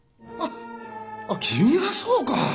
あっ君がそうか。